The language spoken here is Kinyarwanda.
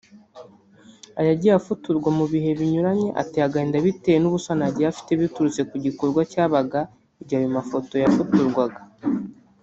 ayagiye afotorwa mubihe binyuranye ateye agahinda bitewe nubusobanuro agiye afite biturutse ku gikorwa cyabaga igihe ayo mafoto yafotorwanga